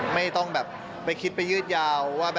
ไม่ต้องแบบไปคิดไปยืดยาวว่า